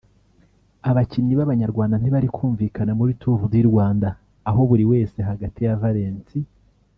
Abakinnyi b’abanyarwanda ntibari kumvikana muri Tour du Rwanda aho buri wese hagati ya Valens